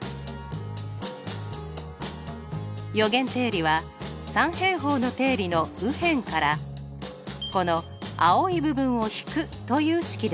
余弦定理は三平方の定理の右辺からこの青い部分を引くという式です。